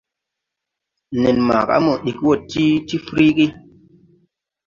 Nen maaga a mo dig wɔɔ ti ti fruygi.